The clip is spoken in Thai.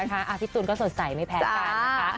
พี่ปทุนก็สนใสไม่แพ้นะคะ